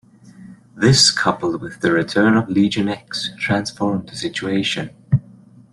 This, coupled with the return of legion X, transformed the situation.